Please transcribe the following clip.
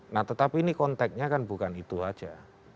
nah tetapi ini konteknya kan bukan itu saja